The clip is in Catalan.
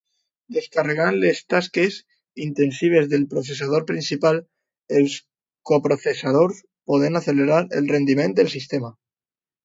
Descarregant les tasques intensives del processador principal, els coprocessadors poden accelerar el rendiment del sistema.